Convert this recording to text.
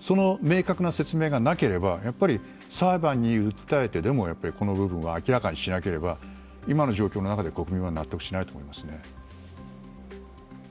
その明確な説明がなければ裁判に訴えてでもこの部分は明らかにしなければ今の状況の中では、国民は納得しないと思いますね。